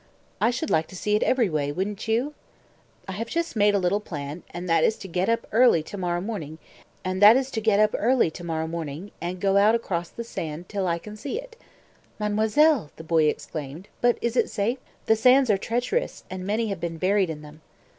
I should like to see it every way, wouldn't you? I have just made a little plan, and that is to get up early to morrow morning, and go out across the sand till I can see it." "Mademoiselle!" the boy exclaimed. "But is it safe? The sands are treacherous, and many have been buried in them."